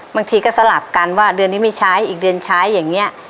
บางทีก็สลับกันว่าเดือนนี้ไม่ใช้อีกเดือนใช้อย่างนี้